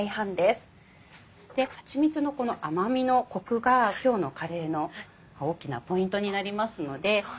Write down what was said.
はちみつのこの甘みのコクが今日のカレーの大きなポイントになりますので。